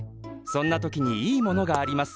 そんな時にいいものがあります。